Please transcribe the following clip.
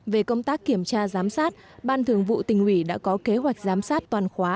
về công tác kiểm tra giám sát ban thường vụ tỉnh ủy đã có kế hoạch giám sát toàn khóa